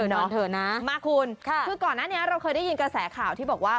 นอนเถอะนะมากคุณคือก่อนหน้านี้เราเคยได้ยินกระแสข่าวที่บอกว่า